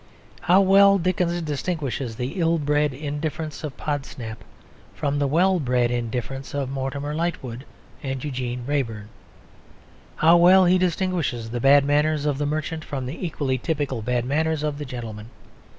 How well Dickens distinguishes the ill bred indifference of Podsnap from the well bred indifference of Mortimer Lightwood and Eugene Wrayburn. How well he distinguishes the bad manners of the merchant from the equally typical bad manners of the gentleman.